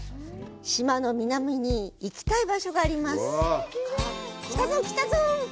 島の南に行きたい場所があります。